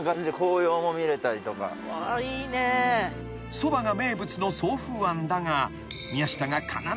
［そばが名物の桑風庵だが］